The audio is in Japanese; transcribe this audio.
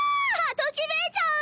ときめいちゃう！